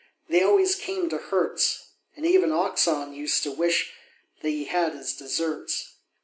They always came to Herts; And even Oxon used to wish That he had his deserts.